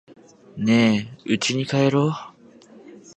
ねぇ、家に帰ろう。